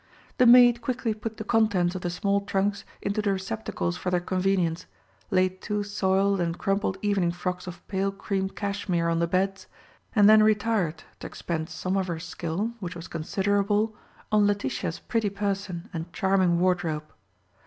The maid quickly put the contents of the small trunks into the receptacles for their convenience, laid two soiled and crumpled evening frocks of pale cream cashmere on the beds, and then retired to expend some of her skill, which was considerable, on Letitia's pretty person and charming wardrobe.